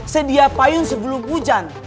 sedia payun sebelum hujan